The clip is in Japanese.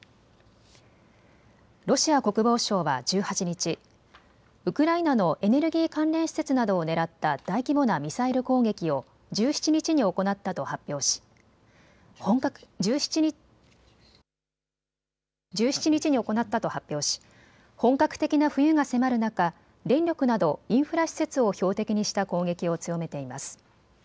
ロシア国防省は１８日、ウクライナのエネルギー関連施設などを狙った大規模なミサイル攻撃を１７日に行ったと発表し本格的な冬が迫る中、電力などインフラ施設を標的にした攻撃を強めています。